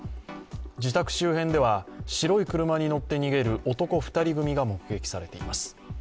自宅周辺では白い車に乗って逃げる男２人組が目撃されています。